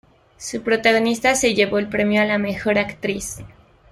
Su protagonista se llevó el premio a la mejor actriz.